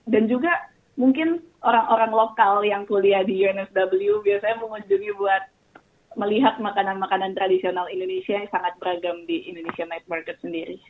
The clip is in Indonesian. dan juga mungkin orang orang lokal yang kuliah di unsw biasanya mengunjungi buat melihat makanan makanan tradisional indonesia yang sangat beragam di indonesia night market sendiri